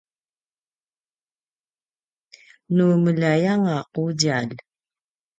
nu meljai anga qudjalj